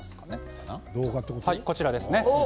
こちらですね。